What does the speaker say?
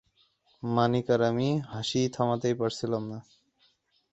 মনিক আর আমি হাঁসি থামাতেই পারছিলাম না।